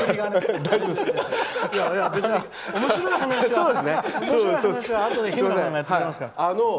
別に、おもしろい話はあとで日村さんがやってくれますから。